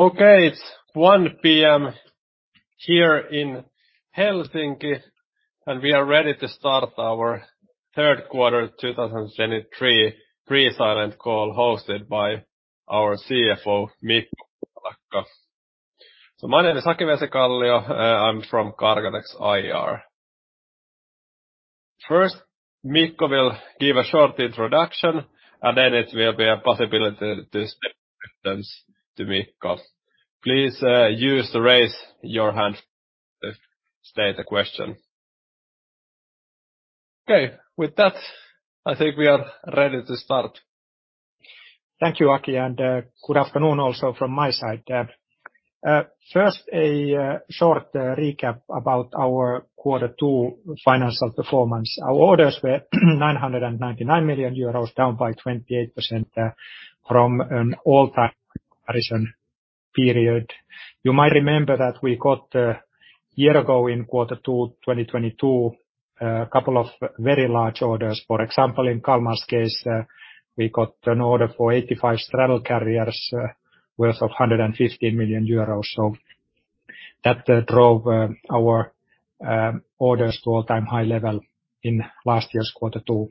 Okay, it's 1:00 P.M. here in Helsinki, and we are ready to start our Q3 2023 pre-silent call, hosted by our CFO, Mikko Puolakka. So my name is Aki Vesikallio, I'm from Cargotec's IR. First, Mikko will give a short introduction, and then it will be a possibility to send questions to Mikko. Please, use the raise your hand to state a question. Okay, with that, I think we are ready to start. Thank you, Aki, and good afternoon also from my side. First, a short recap about our Q2 financial performance. Our orders were 999 million euros, down by 28% from an all-time comparison period. You might remember that we got a year ago in Q2, 2022, a couple of very large orders. For example, in Kalmar's case, we got an order for 85 straddle carriers worth of 150 million euros. So that drove our orders to all-time high level in last year's Q2.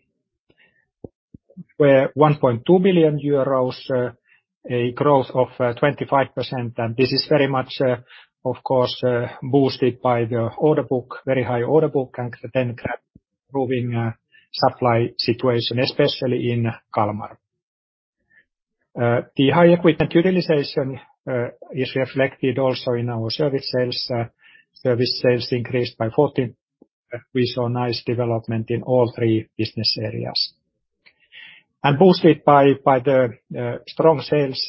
Where 1.2 billion euros, a growth of 25%, and this is very much, of course, boosted by the order book, very high order book, and the then improving supply situation, especially in Kalmar. The high equipment utilization is reflected also in our service sales. Service sales increased by 14. We saw nice development in all three business areas. And boosted by the strong sales,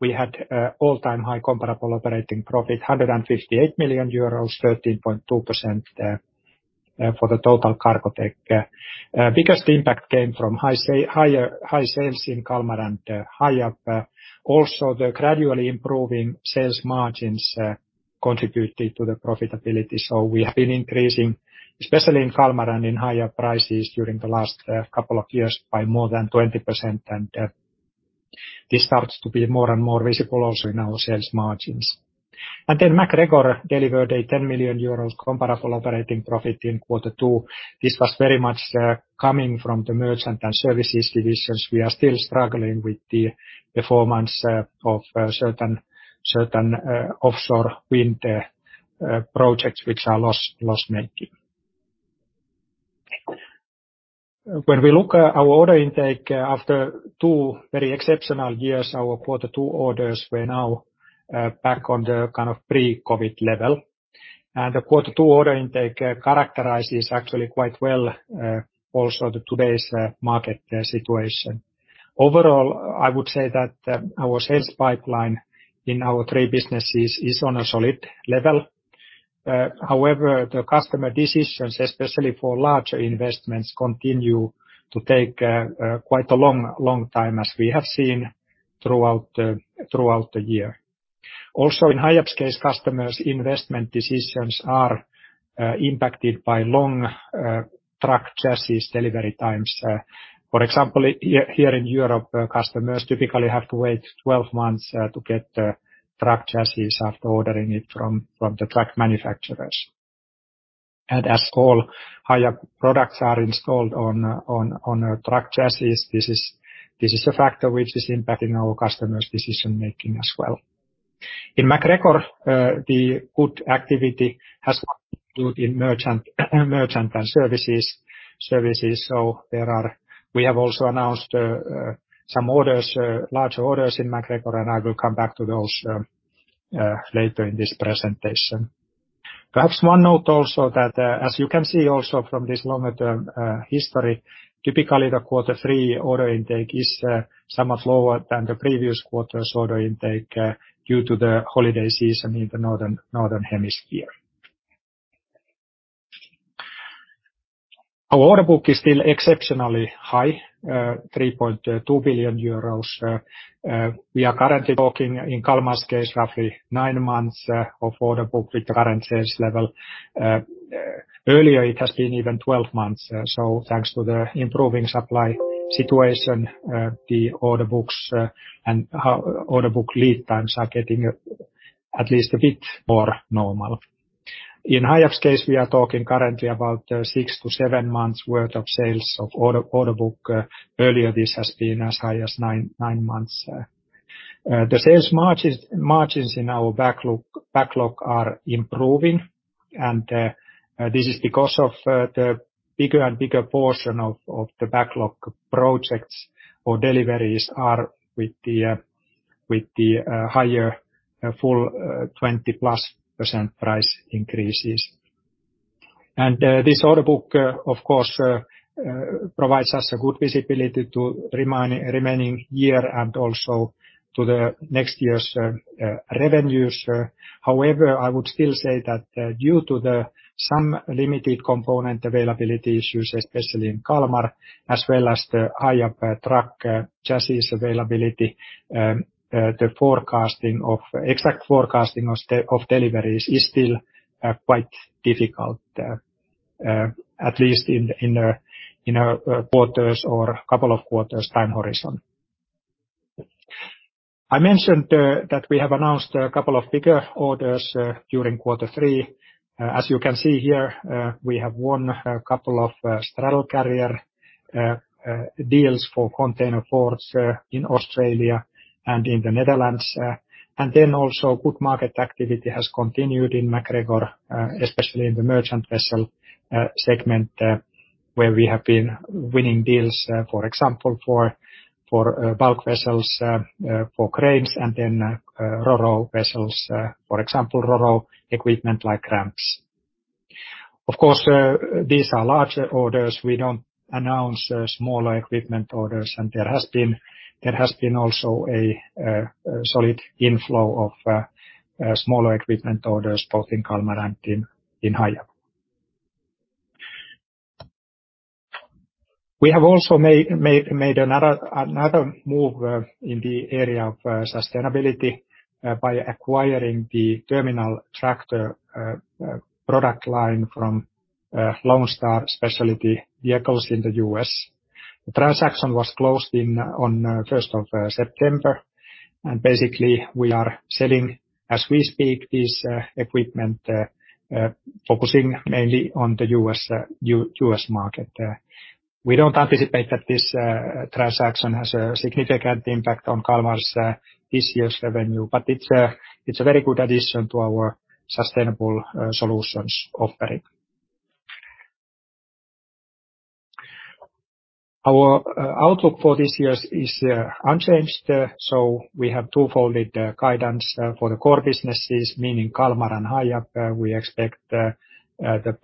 we had all-time high comparable operating profit, 158 million euros, 13.2%, for the total Cargotec. Biggest impact came from higher sales in Kalmar and Hiab. Also, the gradually improving sales margins contributed to the profitability, so we have been increasing, especially in Kalmar, and in higher prices during the last couple of years by more than 20%, and this starts to be more and more visible also in our sales margins. And then MacGregor delivered a 10 million euros comparable operating profit in Q2. This was very much coming from the merchant and services divisions. We are still struggling with the performance of certain offshore wind projects which are loss-making. When we look at our order intake, after two very exceptional years, our Q2 orders were now back on the kind of pre-COVID level. The Q2 order intake characterizes actually quite well also today's market situation. Overall, I would say that our sales pipeline in our three businesses is on a solid level. However, the customer decisions, especially for larger investments, continue to take quite a long time, as we have seen throughout the year. Also, in Hiab's case, customers' investment decisions are impacted by long truck chassis delivery times. For example, here in Europe, customers typically have to wait 12 months to get the truck chassis after ordering it from the truck manufacturers. And as all Hiab products are installed on a truck chassis, this is a factor which is impacting our customers' decision-making as well. In MacGregor, the good activity has to do in merchant and services, so there are. We have also announced some orders, larger orders in MacGregor, and I will come back to those later in this presentation. Perhaps one note also that, as you can see also from this longer-term history, typically the Q3 order intake is somewhat lower than the previous quarter's order intake due to the holiday season in the Northern Hemisphere. Our order book is still exceptionally high, 3.2 billion euros. We are currently talking, in Kalmar's case, roughly 9 months of order book with the current sales level. Earlier, it has been even 12 months. So thanks to the improving supply situation, the order books and how order book lead times are getting at least a bit more normal. In Hiab's case, we are talking currently about 6-7 months worth of sales of order book. Earlier, this has been as high as 9 months. The sales margins in our backlog are improving, and this is because of the bigger and bigger portion of the backlog projects or deliveries are with the higher full 20+% price increases. This order book, of course, provides us a good visibility to the remaining year and also to the next year's revenues. However, I would still say that, due to some limited component availability issues, especially in Kalmar, as well as the Hiab truck chassis availability, the exact forecasting of deliveries is still quite difficult, at least in our quarters or couple of quarters time horizon. I mentioned that we have announced a couple of bigger orders during Q3. As you can see here, we have won a couple of straddle carrier deals for container ports in Australia and in the Netherlands. And then also good market activity has continued in MacGregor, especially in the merchant vessel segment, where we have been winning deals, for example, for bulk vessels for cranes, and then ro-ro vessels, for example, ro-ro equipment like ramps. Of course, these are larger orders. We don't announce smaller equipment orders, and there has also been a solid inflow of smaller equipment orders, both in Kalmar and in Hiab. We have also made another move in the area of sustainability by acquiring the terminal tractor product line from Lonestar Specialty Vehicles in the US. The transaction was closed on the first of September, and basically, we are selling, as we speak, this equipment, focusing mainly on the U.S. market. We don't anticipate that this transaction has a significant impact on Kalmar's this year's revenue, but it's a very good addition to our sustainable solutions offering. Our outlook for this year is unchanged, so we have twofold guidance for the core businesses, meaning Kalmar and Hiab. We expect the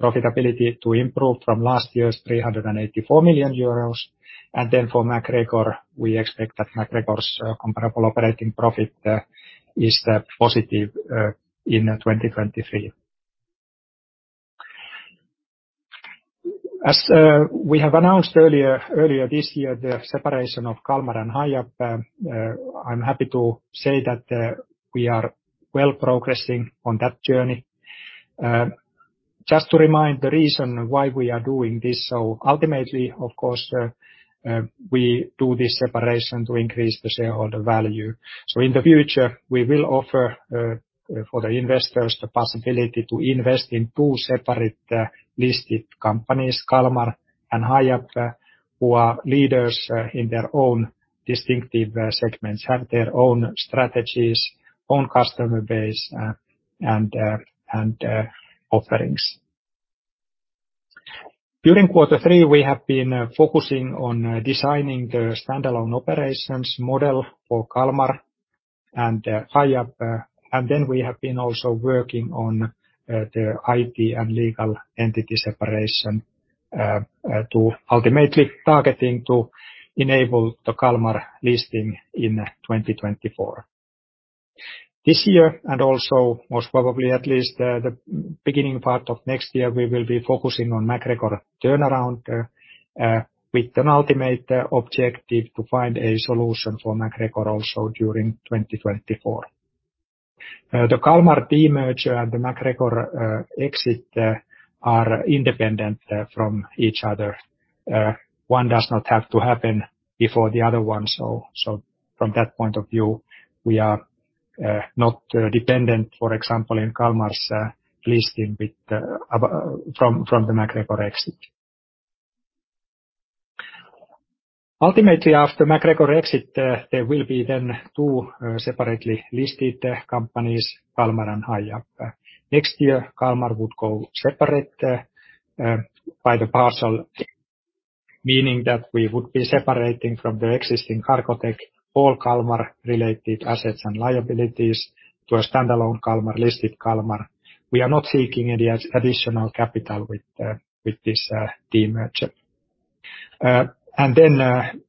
profitability to improve from last year's 384 million euros, and then for MacGregor, we expect that MacGregor's comparable operating profit is positive in 2023. As we have announced earlier, earlier this year, the separation of Kalmar and Hiab, I'm happy to say that we are well progressing on that journey. Just to remind the reason why we are doing this: so ultimately, of course, we do this separation to increase the shareholder value. So in the future, we will offer for the investors the possibility to invest in two separate listed companies, Kalmar and Hiab, who are leaders in their own distinctive segments, have their own strategies, own customer base, and offerings. During Q3, we have been focusing on designing the standalone operations model for Kalmar and Hiab, and then we have been also working on the IT and legal entity separation to ultimately targeting to enable the Kalmar listing in 2024. This year, and also most probably at least the beginning part of next year, we will be focusing on MacGregor turnaround with an ultimate objective to find a solution for MacGregor also during 2024. The Kalmar demerger and the MacGregor exit are independent from each other. One does not have to happen before the other one, so from that point of view, we are not dependent, for example, in Kalmar's listing with from the MacGregor exit. Ultimately, after MacGregor exit, there will be then two separately listed companies, Kalmar and Hiab. Next year, Kalmar would go separate partial, meaning that we would be separating from the existing Cargotec all Kalmar-related assets and liabilities to a standalone Kalmar, listed Kalmar. We are not seeking any additional capital with this demerger. And then,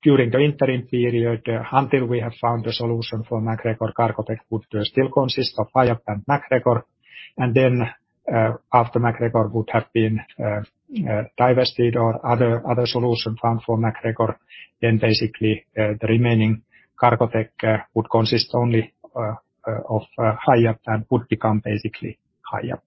during the interim period until we have found a solution for MacGregor, Cargotec would still consist of Hiab and MacGregor. And then, after MacGregor would have been divested or other solution found for MacGregor, then basically the remaining Cargotec would consist only of Hiab and would become basically Hiab.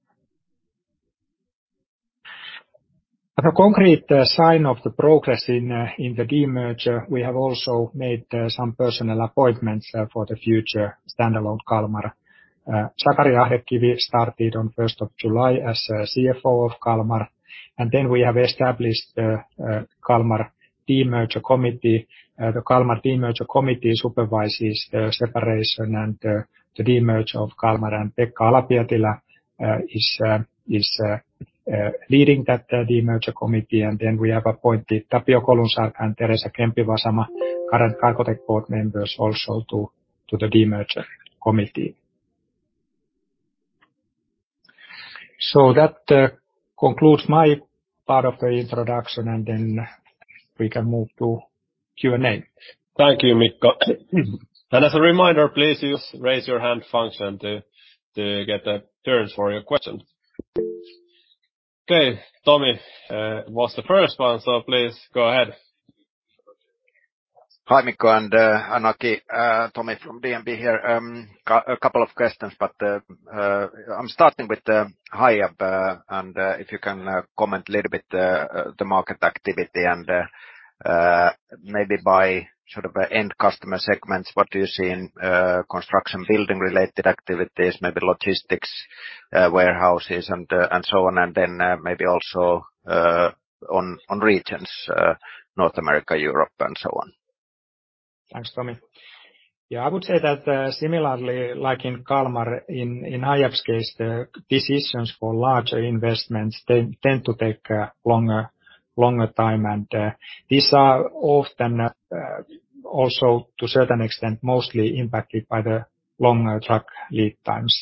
As a concrete sign of the progress in the demerger, we have also made some personnel appointments for the future standalone Kalmar. Sakari Ahdekivi started on first of July as CFO of Kalmar, and then we have established Kalmar Demerger Committee. The Kalmar Demerger Committee supervises the separation and the demerger of Kalmar, and Pekka Ala-Pietilä is leading that demerger committee. And then we have appointed Tapio Kolunsarka and Teresa Kemppi-Vasama, current Cargotec board members, also to the demerger committee. So that concludes my part of the introduction, and then we can move to Q&A. Thank you, Mikko. And as a reminder, please use raise your hand function to get a turn for your question. Okay, Tomi was the first one, so please go ahead. Hi, Mikko and Aki. Tomi from DNB here. A couple of questions, but I'm starting with the Hiab, and if you can comment a little bit, the market activity and maybe by sort of end customer segments, what do you see in construction, building-related activities, maybe logistics, warehouses, and so on, and then maybe also on regions, North America, Europe, and so on? Thanks, Tomi. Yeah, I would say that, similarly, like in Kalmar, Hiab's case, the decisions for larger investments tend to take a longer time, and these are often also, to a certain extent, mostly impacted by the longer truck lead times.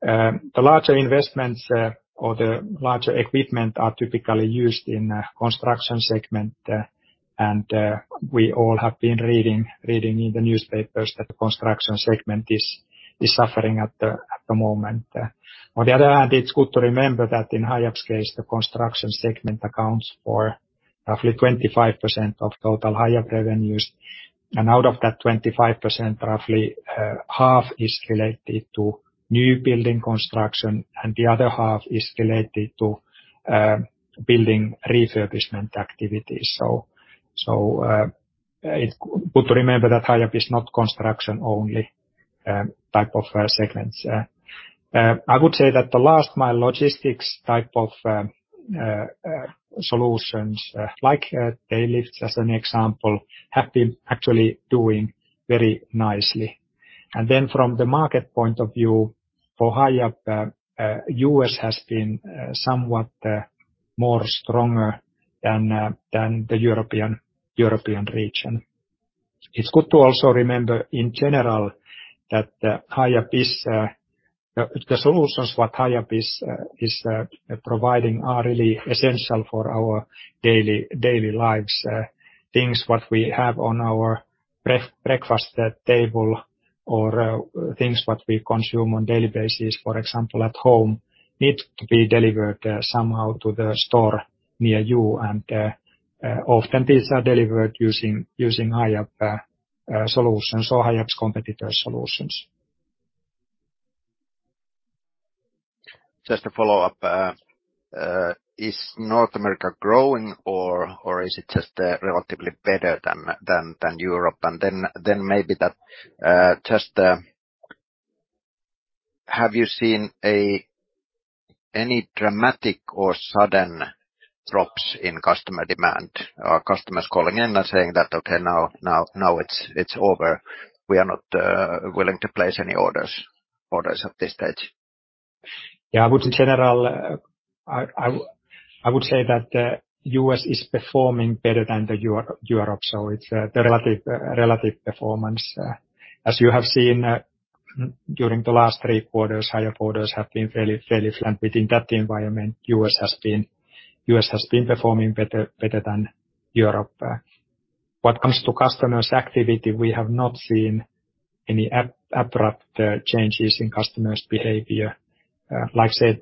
The larger investments or the larger equipment are typically used in construction segment, and we all have been reading in the newspapers that the construction segment is suffering at the moment. On the other hand, it's good to remember that in Hiab's case, the construction segment accounts for roughly 25% of total Hiab revenues, and out of that 25%, roughly half is related to new building construction, and the other half is related to building refurbishment activities. So, it's good to remember that Hiab is not construction-only type of segment. I would say that the last mile logistics type of solutions, like tail lifts, as an example, have been actually doing very nicely. And then from the market point of view, for Hiab, US has been somewhat more stronger than the European region. It's good to also remember, in general, that Hiab is the solutions what Hiab is providing are really essential for our daily lives. Things what we have on our breakfast table or things what we consume on daily basis, for example, at home, need to be delivered somehow to the store near you, and often these are delivered using Hiab solutions or Hiab's competitor solutions. Just a follow-up. Is North America growing or is it just relatively better than Europe? And then maybe that just have you seen any dramatic or sudden drops in customer demand? Are customers calling in and saying that, "Okay, now it's over. We are not willing to place any orders at this stage? Yeah, I would, in general, I would say that the U.S. is performing better than Europe, so it's the relative performance. As you have seen, during the last three quarters, Hiab orders have been fairly flat. Within that environment, the U.S. has been performing better than Europe. What comes to customers' activity, we have not seen any abrupt changes in customers' behavior. Like I said,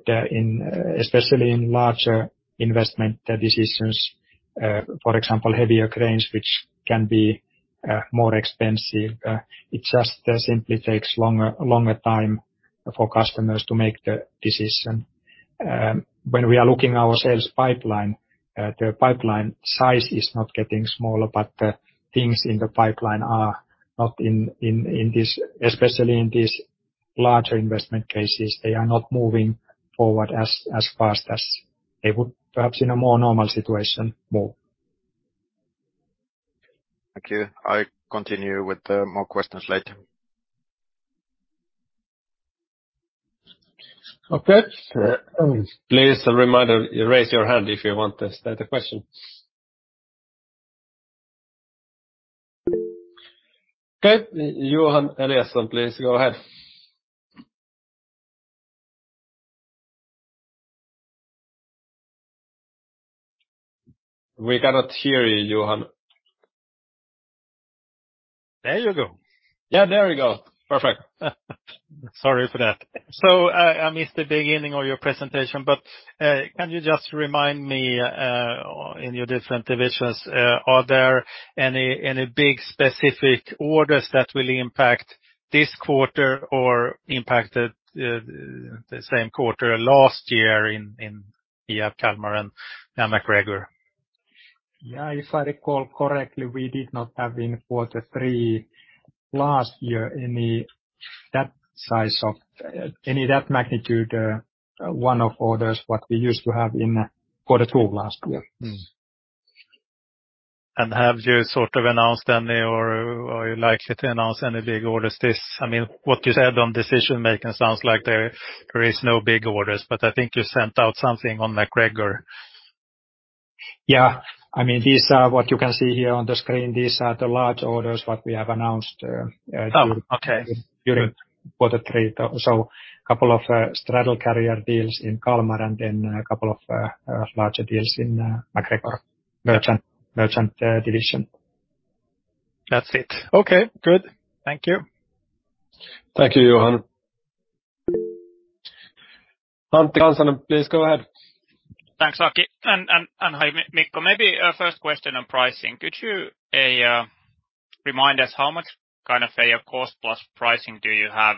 especially in larger investment decisions, for example, heavier cranes, which can be more expensive, it just simply takes longer time for customers to make the decision. When we are looking our sales pipeline, the pipeline size is not getting smaller, but things in the pipeline are not in this—especially in these larger investment cases, they are not moving forward as fast as they would perhaps in a more normal situation move. Thank you. I continue with more questions later. Okay. Please, a reminder, raise your hand if you want to state a question. Okay. Johan Eliason, please go ahead. We cannot hear you, Johan. There you go. Yeah, there you go. Perfect. Sorry for that. So I missed the beginning of your presentation, but can you just remind me in your different divisions, are there any big specific orders that will impact this quarter or impacted the same quarter last year in Hiab, Kalmar, and MacGregor? Yeah, if I recall correctly, we did not have in Q3 last year any that size of, any of that magnitude, one-off orders what we used to have in Q2 last year. Mm-hmm. And have you sort of announced any or, are you likely to announce any big orders this... I mean, what you said on decision-making sounds like there, there is no big orders, but I think you sent out something on MacGregor. Yeah. I mean, these are what you can see here on the screen. These are the large orders what we have announced. Oh, okay... during Q3. So couple of straddle carrier deals in Kalmar and then a couple of larger deals in MacGregor Merchant Division. That's it. Okay, good. Thank you. Thank you, Johan. Antti Kansanen, please go ahead. Thanks, Aki. And hi, Mikko. Maybe first question on pricing: Could you remind us how much kind of a cost-plus pricing do you have,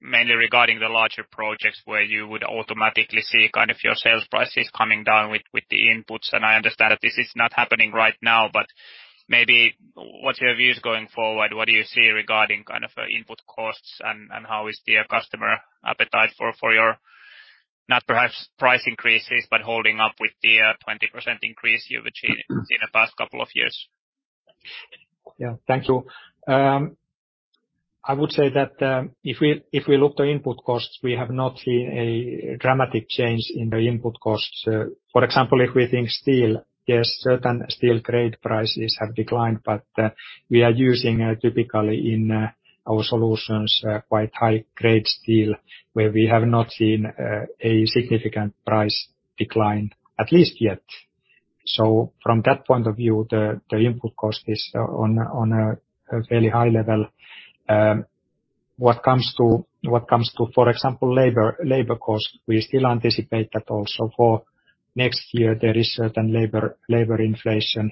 mainly regarding the larger projects where you would automatically see kind of your sales prices coming down with the inputs? And I understand that this is not happening right now, but maybe what's your views going forward? What do you see regarding kind of input costs and how is the customer appetite for your, not perhaps price increases, but holding up with the 20% increase you've achieved in the past couple of years? Yeah. Thank you. I would say that if we look the input costs, we have not seen a dramatic change in the input costs. For example, if we think steel, yes, certain steel grade prices have declined, but we are using typically in our solutions quite high grade steel, where we have not seen a significant price decline, at least yet. So from that point of view, the input cost is on a fairly high level. What comes to, for example, labor cost, we still anticipate that also for next year, there is certain labor inflation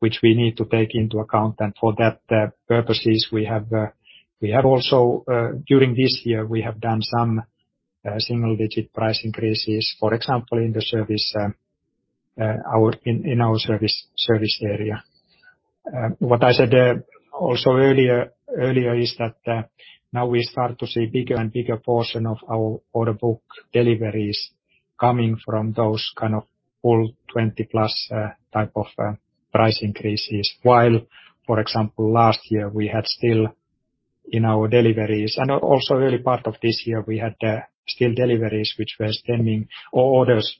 which we need to take into account. And for that purposes, we have also... During this year, we have done some single-digit price increases, for example, in our service area. What I said also earlier is that now we start to see bigger and bigger portion of our order book deliveries coming from those kind of all 20+ type of price increases. While, for example, last year, we had still in our deliveries and also early part of this year, we had still deliveries which were stemming from orders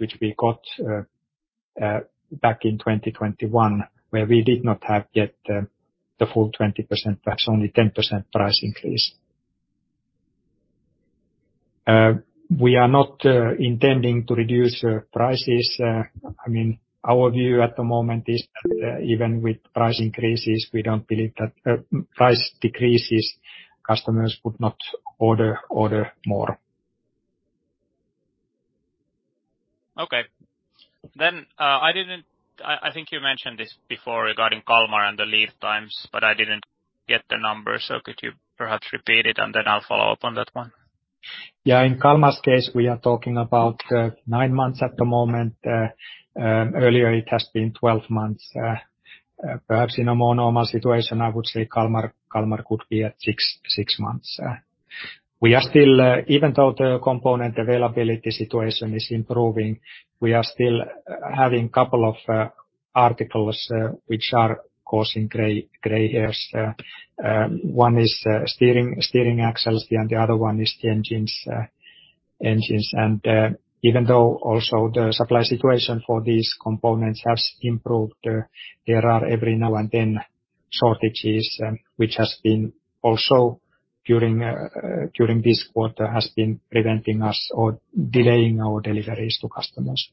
which we got back in 2021, where we did not have yet the full 20%, that's only 10% price increase. We are not intending to reduce prices. I mean, our view at the moment is that even with price increases, we don't believe that price decreases, customers would not order more. Okay. Then, I think you mentioned this before regarding Kalmar and the lead times, but I didn't get the number. So could you perhaps repeat it, and then I'll follow up on that one? Yeah, in Kalmar's case, we are talking about 9 months at the moment. Earlier it has been 12 months. Perhaps in a more normal situation, I would say Kalmar, Kalmar could be at 6, 6 months. We are still, even though the component availability situation is improving, we are still having couple of articles which are causing gray, gray hairs. One is steering, steering axles, and the other one is the engines, engines. And even though also the supply situation for these components has improved, there are every now and then shortages, which has been also during this quarter, has been preventing us or delaying our deliveries to customers.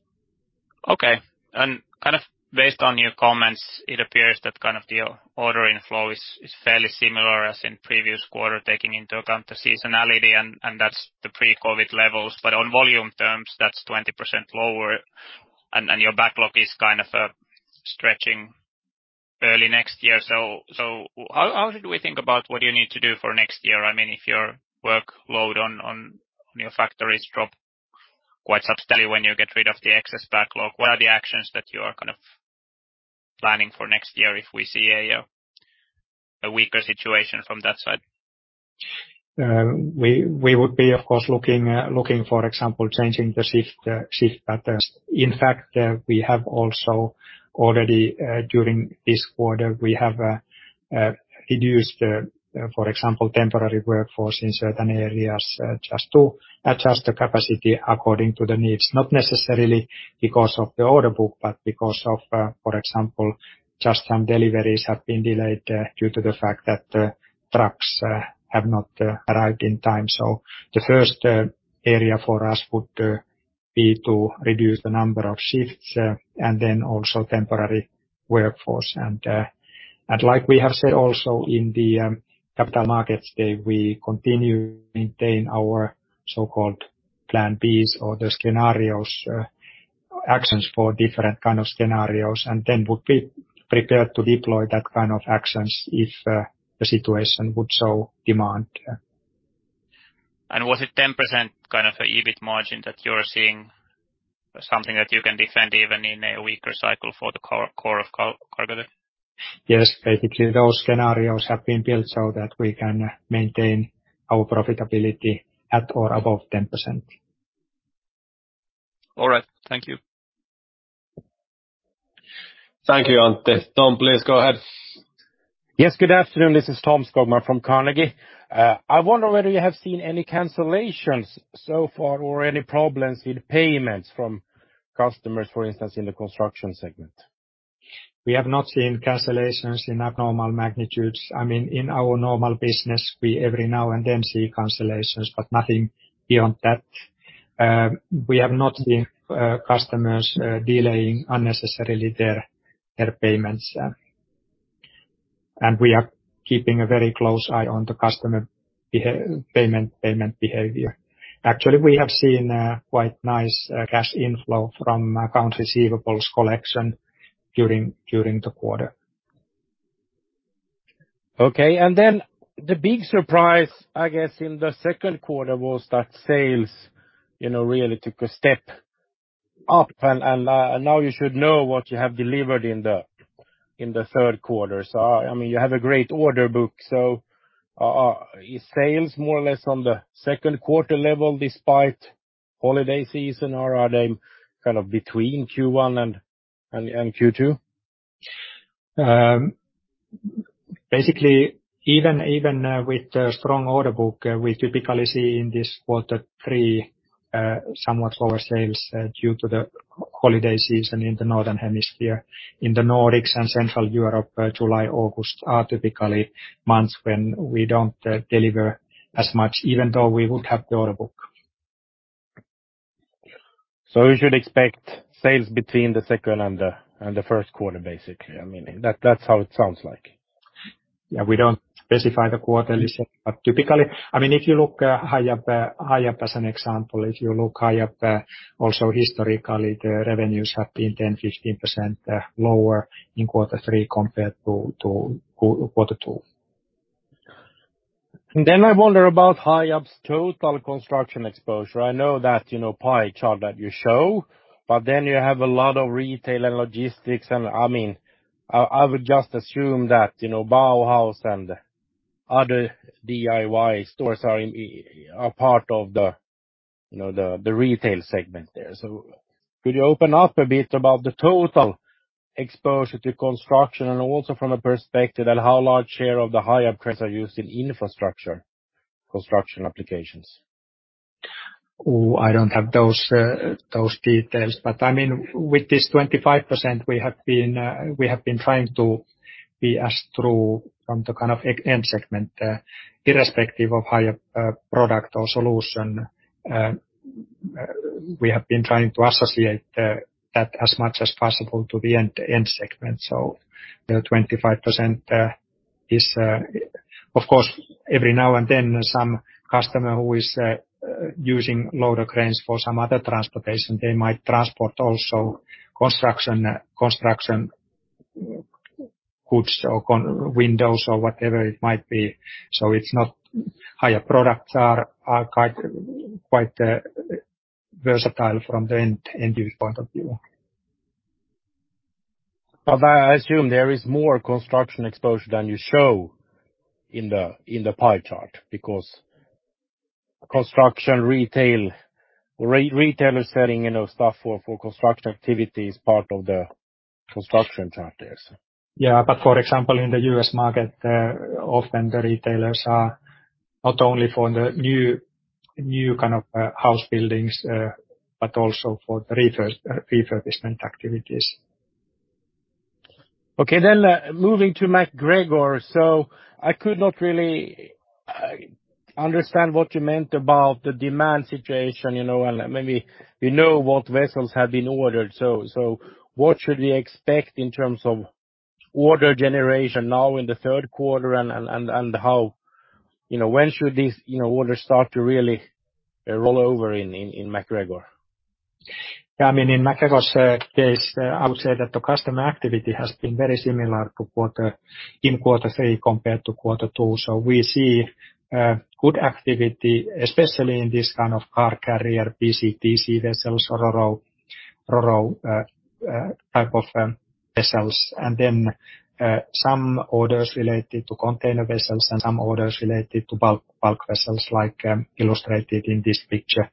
Okay. And kind of based on your comments, it appears that kind of the order inflow is fairly similar as in previous quarter, taking into account the seasonality, and that's the pre-COVID levels. But on volume terms, that's 20% lower, and your backlog is kind of stretching early next year. So how do we think about what you need to do for next year? I mean, if your workload on your factories drop quite substantially when you get rid of the excess backlog, what are the actions that you are kind of planning for next year if we see a weaker situation from that side? We would be, of course, looking for example changing the shift patterns. In fact, we have also already during this quarter reduced for example temporary workforce in certain areas just to adjust the capacity according to the needs, not necessarily because of the order book, but because of for example just some deliveries have been delayed due to the fact that the trucks have not arrived in time. So the first area for us would be to reduce the number of shifts and then also temporary workforce. And like we have said also in the capital markets day, we continue to maintain our so-called plan Bs or the scenarios, actions for different kind of scenarios, and then would be prepared to deploy that kind of actions if the situation would so demand. Was it 10% kind of a EBIT margin that you are seeing, something that you can defend even in a weaker cycle for the core, core of Cargotec? Yes. Basically, those scenarios have been built so that we can maintain our profitability at or above 10%. All right. Thank you. Thank you, Antti. Tom, please go ahead. Yes, good afternoon. This is Tom Skogman from Carnegie. I wonder whether you have seen any cancellations so far or any problems with payments from customers, for instance, in the construction segment? We have not seen cancellations in abnormal magnitudes. I mean, in our normal business, we every now and then see cancellations, but nothing beyond that. We have not seen customers delaying unnecessarily their payments. And we are keeping a very close eye on the customer payment behavior. Actually, we have seen quite nice cash inflow from account receivables collection during the quarter. Okay. And then the big surprise, I guess, in the Q2 was that sales, you know, really took a step up, and now you should know what you have delivered in the Q3. So I mean, you have a great order book, so is sales more or less on the Q2 level despite holiday season, or are they kind of between Q1 and Q2? Basically, even with the strong order book, we typically see in this Q3 somewhat lower sales due to the holiday season in the Northern Hemisphere. In the Nordics and Central Europe, July, August are typically months when we don't deliver as much, even though we would have the order book. We should expect sales between the second and the first quarter, basically. I mean, that's how it sounds like. Yeah, we don't specify the quarterly, but typically... I mean, if you look higher up as an example, if you look higher up, also historically, the revenues have been 10%-15% lower in Q3 compared to Q2. Then I wonder about Hiab's total construction exposure. I know that, you know, pie chart that you show, but then you have a lot of retail and logistics. And, I mean, I would just assume that, you know, Bauhaus and other DIY stores are part of the, you know, the, the retail segment there. So could you open up a bit about the total exposure to construction and also from a perspective on how large share of the Hiab cranes are used in infrastructure construction applications? Oh, I don't have those details. But, I mean, with this 25%, we have been trying to be as true to the kind of end-use segment, irrespective of Hiab product or solution. We have been trying to associate that as much as possible to the end-use segment. So the 25% is... Of course, every now and then, some customer who is using loader cranes for some other transportation, they might transport also construction goods or construction windows or whatever it might be. So Hiab products are quite versatile from the end-use point of view. But I assume there is more construction exposure than you show in the pie chart, because construction, retail, retailer selling, you know, stuff for construction activity is part of the construction chart there, so. Yeah, but for example, in the US market, often the retailers are not only for the new kind of house buildings, but also for the refurbishment activities. Okay, then, moving to MacGregor. So I could not really understand what you meant about the demand situation, you know, and maybe we know what vessels have been ordered. So, what should we expect in terms of order generation now in the Q3 and how, you know, when should these, you know, orders start to really roll over in MacGregor? Yeah, I mean, in MacGregor's case, I would say that the customer activity has been very similar to quarter... In Q3 compared to Q2. So we see good activity, especially in this kind of car carrier, PCTC vessels or ro-ro, ro-ro type of vessels, and then some orders related to container vessels and some orders related to bulk, bulk vessels, like illustrated in this picture.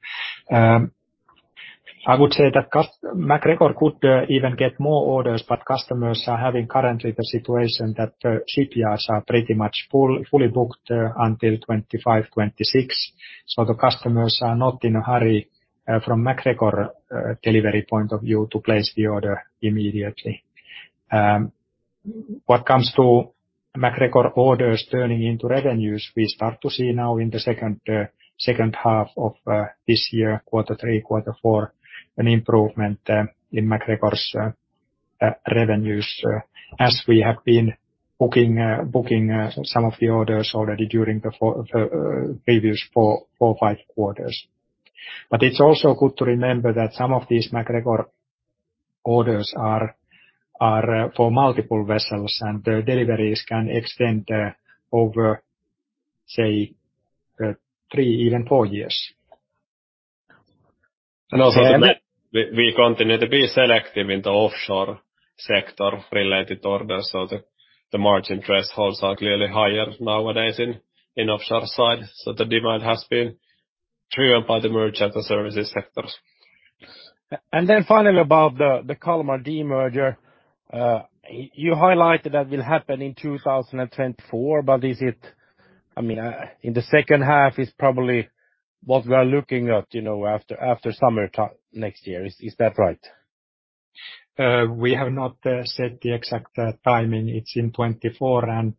I would say that MacGregor could even get more orders, but customers are having currently the situation that shipyards are pretty much full, fully booked until 2025, 2026. So the customers are not in a hurry from MacGregor delivery point of view to place the order immediately. What comes to MacGregor orders turning into revenues, we start to see now in the second half of this year, Q3, Q4, an improvement in MacGregor's revenues, as we have been booking some of the orders already during the previous four or five quarters. But it's also good to remember that some of these MacGregor orders are for multiple vessels, and the deliveries can extend over, say, 3, even 4 years. Also, we continue to be selective in the offshore sector-related orders, so the margin thresholds are clearly higher nowadays in the offshore side. The demand has been driven by the merchant and services sectors. And then finally, about the Kalmar demerger. You highlighted that will happen in 2024, but is it... I mean, in the second half is probably what we are looking at, you know, after summer time next year. Is that right? We have not set the exact timing. It's in 2024, and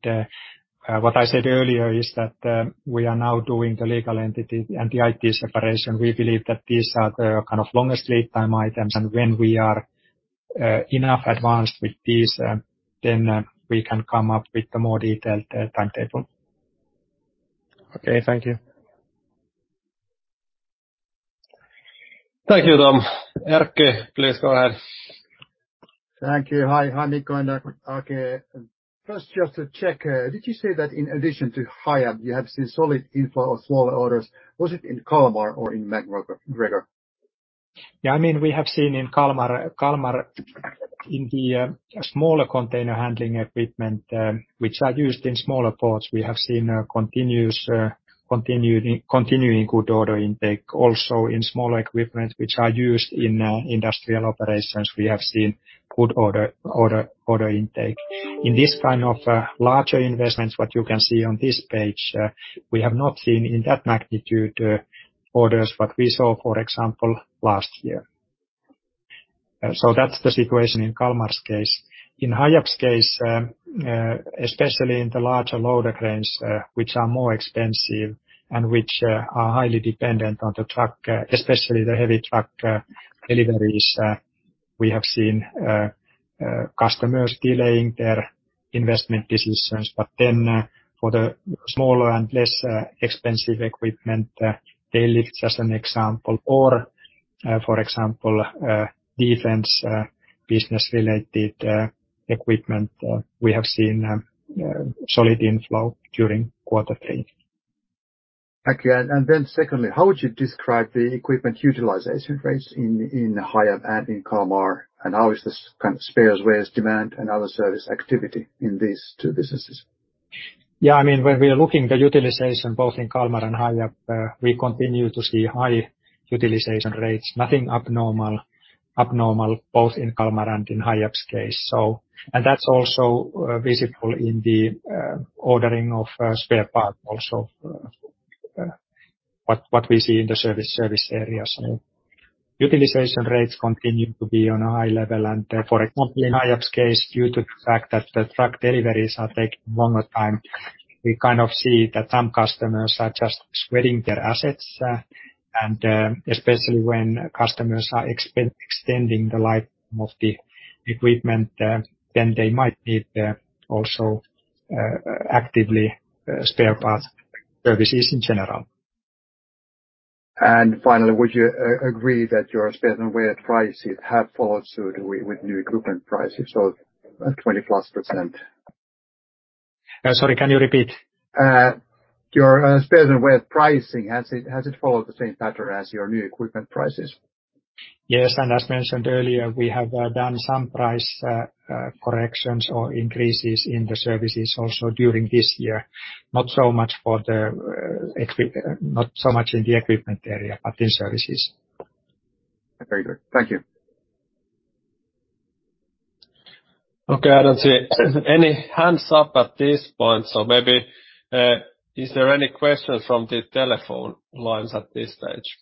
what I said earlier is that we are now doing the legal entity and the IT separation. We believe that these are the kind of longest lead time items, and when we are enough advanced with these, then we can come up with a more detailed timetable. Okay. Thank you. Thank you, Tom. Erkki, please go ahead. Thank you. Hi. Hi, Mikko and Erkki. First, just to check, did you say that in addition to Hiab, you have seen solid inflow of smaller orders? Was it in Kalmar or in MacGregor? Yeah, I mean, we have seen in Kalmar in the smaller container handling equipment, which are used in smaller ports. We have seen continuing good order intake. Also, in smaller equipment, which are used in industrial operations, we have seen good order intake. In this kind of larger investments, what you can see on this page, we have not seen in that magnitude orders what we saw, for example, last year. So that's the situation in Kalmar's case. In Hiab's case, especially in the larger loader cranes, which are more expensive and which are highly dependent on the truck, especially the heavy truck deliveries, we have seen customers delaying their investment decisions. But then, for the smaller and less expensive equipment, for example, defense business-related equipment, we have seen solid inflow during Q3. Thank you. Then secondly, how would you describe the equipment utilization rates in Hiab and in Kalmar? And how is this kind of spares, wears demand and other service activity in these two businesses? Yeah, I mean, when we are looking at the utilization, both in Kalmar and Hiab, we continue to see high utilization rates. Nothing abnormal, both in Kalmar and in Hiab's case. So and that's also visible in the ordering of spare parts also, what we see in the service areas. Utilization rates continue to be on a high level, and therefore, for example, in Hiab's case, due to the fact that the truck deliveries are taking longer time, we kind of see that some customers are just spreading their assets, and especially when customers are extending the life of the equipment, then they might need also actively spare parts services in general. Finally, would you agree that your spare and wear prices have followed suit with new equipment prices, so 20%+? Sorry, can you repeat? Your spare and wear pricing, has it followed the same pattern as your new equipment prices? Yes, and as mentioned earlier, we have done some price corrections or increases in the services also during this year. Not so much for the not so much in the equipment area, but in services. Very good. Thank you. Okay, I don't see any hands up at this point, so maybe, is there any questions from the telephone lines at this stage?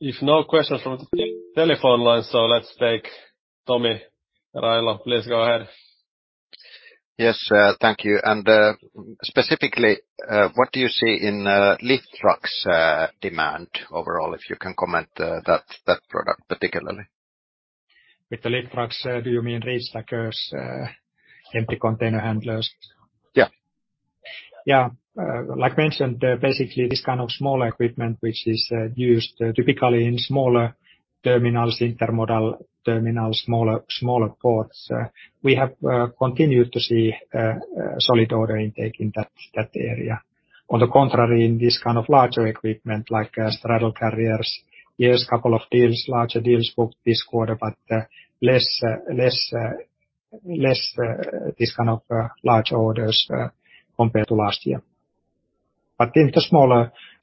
If no questions from the telephone line, so let's take Tomi Railo. Please go ahead. Yes, thank you. Specifically, what do you see in lift trucks demand overall? If you can comment, that product, particularly. With the lift trucks, do you mean reach stackers, empty container handlers? Yeah. Yeah. Like mentioned, basically, this kind of smaller equipment, which is used typically in smaller terminals, intermodal terminals, smaller ports, we have continued to see solid order intake in that area. On the contrary, in this kind of larger equipment, like straddle carriers, yes, couple of deals, larger deals booked this quarter, but less this kind of large orders compared to last year. But in the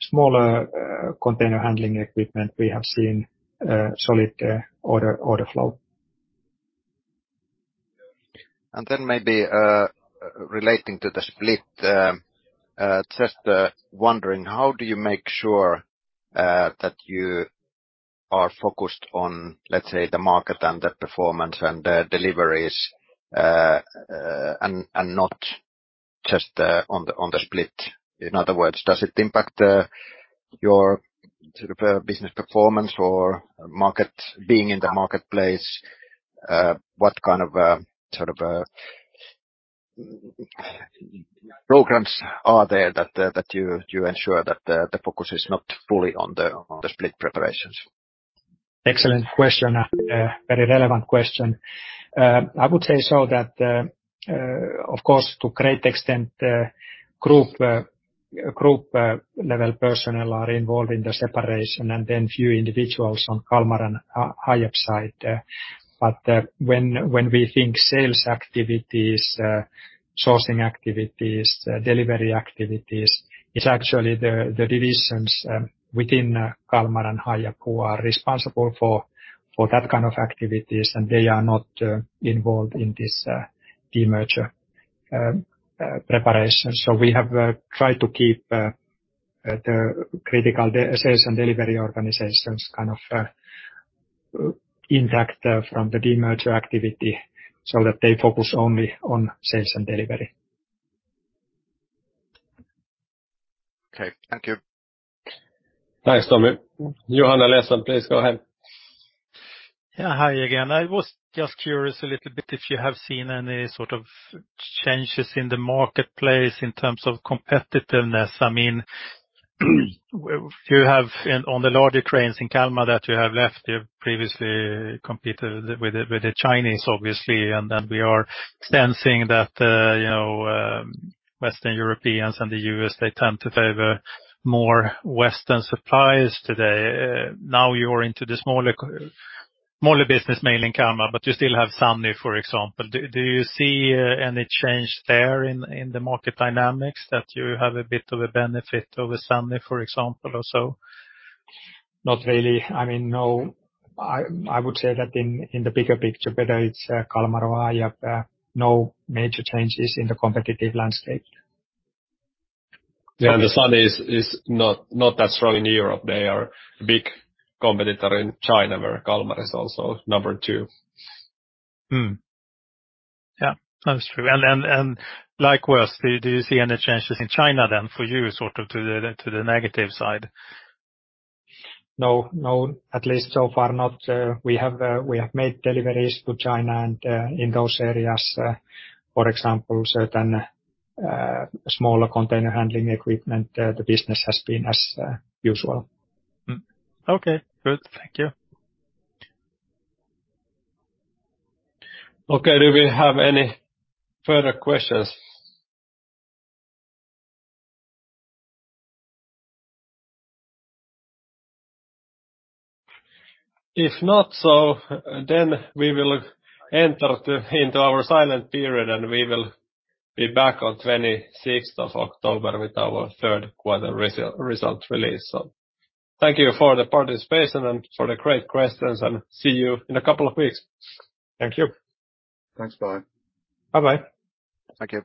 smaller container handling equipment, we have seen solid order flow. Then maybe, relating to the split, just wondering, how do you make sure that you are focused on, let's say, the market and the performance and the deliveries, and not just on the split? In other words, does it impact your sort of business performance or market being in the marketplace? What kind of sort of programs are there that you ensure that the focus is not fully on the split preparations? Excellent question. Very relevant question. I would say so that, of course, to a great extent, group level personnel are involved in the separation, and then few individuals on Kalmar and Hiab side. But when we think sales activities, sourcing activities, delivery activities, it's actually the divisions within Kalmar and Hiab who are responsible for that kind of activities, and they are not involved in this demerger preparation. So we have tried to keep the critical sales and delivery organizations kind of impact from the demerger activity so that they focus only on sales and delivery. Okay, thank you. Thanks, Tomi. Johan Eliason, please go ahead. Yeah, hi again. I was just curious a little bit if you have seen any sort of changes in the marketplace in terms of competitiveness. I mean, you have in, on the larger cranes in Kalmar that you have left, you've previously competed with the, with the Chinese, obviously, and then we are then seeing that, you know, Western Europeans and the U.S., they tend to favor more Western suppliers today. Now you're into the smaller, smaller business, mainly in Kalmar, but you still have SANY, for example. Do you see any change there in, in the market dynamics that you have a bit of a benefit over SANY, for example, also? Not really. I mean, no, I would say that in the bigger picture, whether it's Kalmar or Hiab, no major changes in the competitive landscape. Yeah, and the SANY is not that strong in Europe. They are a big competitor in China, where Kalmar is also number two. Hmm. Yeah, that's true. And likewise, do you see any changes in China then for you, sort of, to the negative side? No, no, at least so far not. We have made deliveries to China and in those areas, for example, certain smaller container handling equipment, the business has been as usual. Hmm. Okay, good. Thank you. Okay. Do we have any further questions? If not, then we will enter into our silent period, and we will be back on twenty-sixth of October with our Q3 result release. So thank you for the participation and for the great questions, and see you in a couple of weeks. Thank you. Thanks. Bye. Bye-bye. Thank you.